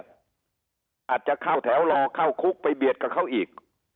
อาจจะเข้าแถวรอเข้าคุกไปเบียดกับเขาอีก